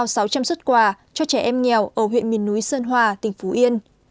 trao sáu trăm linh xuất quà cho trẻ em nghèo ở huyện miền núi sơn hòa tỉnh phú yên